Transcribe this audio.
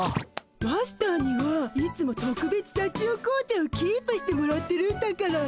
マスターにはいつもとくべつさちよ紅茶をキープしてもらってるんだから。